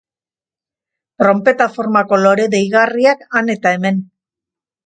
Tronpeta formako lore deigarriak han eta hemen.